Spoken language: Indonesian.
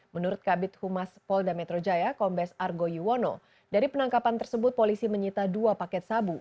menurut kabit humas polda metro jaya kombes argo yuwono dari penangkapan tersebut polisi menyita dua paket sabu